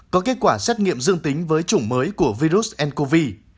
có kết quả xét nghiệm dương tính với chủng mới của virus ncov